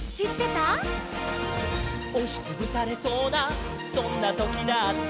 「おしつぶされそうなそんなときだって」